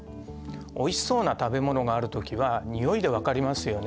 おいしそうな食べ物がある時はにおいで分かりますよね？